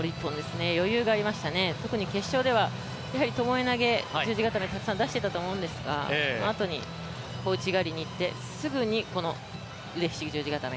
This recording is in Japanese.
余裕がありましたね、特に決勝では特にともえ投げ、十字固めたくさん出していたと思うんですがあとに小内刈りにいって、すぐに腕ひしぎ十字固め。